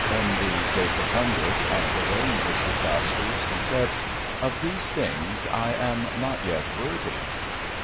In the "De Profundis," after weighing his disasters, he said: "Of these things I am not yet worthy."